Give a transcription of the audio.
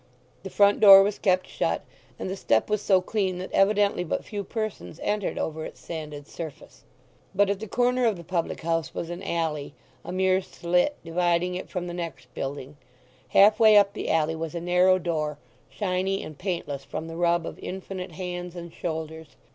The front door was kept shut, and the step was so clean that evidently but few persons entered over its sanded surface. But at the corner of the public house was an alley, a mere slit, dividing it from the next building. Half way up the alley was a narrow door, shiny and paintless from the rub of infinite hands and shoulders.